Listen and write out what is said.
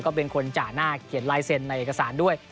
ก็เป็นคนจ่าหน้าเขียนลายเซ็นในเอกสารด้วย